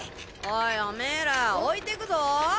おいオメーら置いてくぞ！